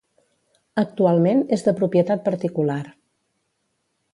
Actualment és de propietat particular.